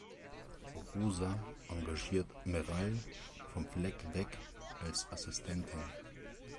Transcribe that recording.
Rosa engagiert Meral vom Fleck weg als Assistentin.